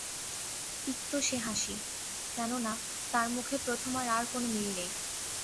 তিক্ত সে হাসি, কেননা তার মুখে প্রথমার আর কোনো মিল নেই।